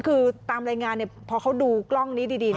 คือตามรายงานพอเขาดูกล้องนี้ดี